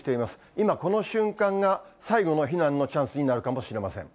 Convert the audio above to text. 今、この瞬間が最後の避難のチャンスになるかもしれません。